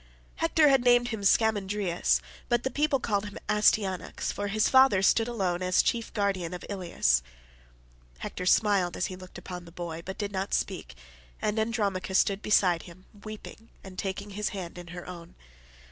Hector had named him Scamandrius, but the people called him Astyanax, for his father stood alone as chief guardian of Ilius. Hector smiled as he looked upon the boy, but he did not speak, and Andromache stood by him weeping and taking his hand in her own.